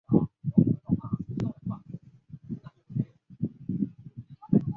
林乐善当选为第一届第四次增额立法委员。